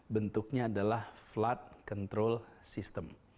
bentuknya adalah flood control system